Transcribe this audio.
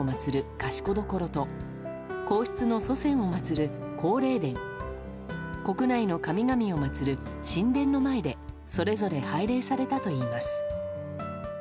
賢所と皇室の祖先を祭る皇霊殿国内の神々を祭る神殿の前でそれぞれ拝礼されたといいます。